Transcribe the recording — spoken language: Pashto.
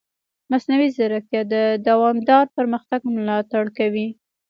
مصنوعي ځیرکتیا د دوامدار پرمختګ ملاتړ کوي.